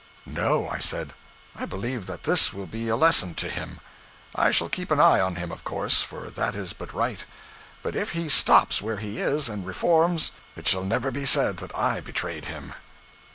'No,' I said; 'I believe that this will be a lesson to him. I shall keep an eye on him, of course, for that is but right; but if he stops where he is and reforms, it shall never be said that I betrayed him.'